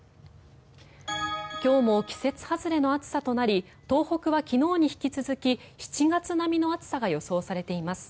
今日も季節外れの暑さとなり東北は昨日に引き続き７月並みの暑さが予想されています。